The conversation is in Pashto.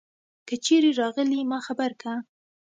که چیری راغلي ما خبر که